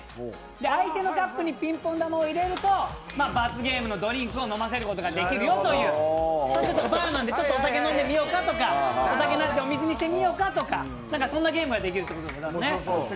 相手のカップにピンポン球を入れると罰ゲームのドリンクを飲ませることができるよというちょっとバーなんで、お酒飲んでみようかとか、お酒なしで水にしてみようかとかそんなゲームができるんです。